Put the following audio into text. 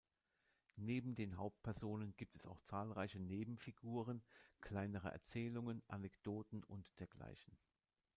Neben den Hauptpersonen gibt es auch zahlreiche Nebenfiguren, kleinere Erzählungen, Anekdoten und dergleichen.